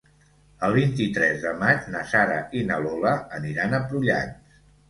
El vint-i-tres de maig na Sara i na Lola aniran a Prullans.